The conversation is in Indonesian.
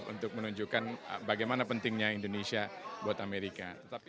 untuk menunjukkan bagaimana pentingnya indonesia buat amerika